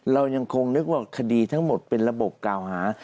เรายังคงนึกว่าคดีทั้งหมดเป็นระบบกล่าวหา